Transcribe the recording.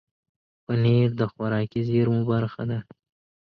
پنېر د خوراکي زېرمو برخه ده.